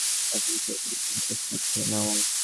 এখন যে এসেছি, তোমার কষ্ট হচ্ছে না, মা?